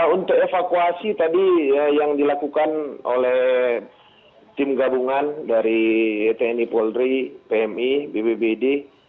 untuk evakuasi tadi yang dilakukan oleh tim gabungan dari tni polri pmi bbbd